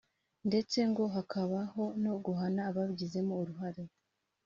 ndetse ngo hakabaho no guhana ababigizemo uruhare